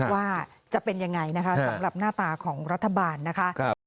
ว่าจะเป็นยังไงนะคะสำหรับหน้าตาของรัฐบาลนะคะ